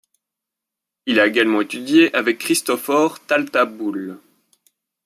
Il a également étudié avec Cristòfor Taltabull.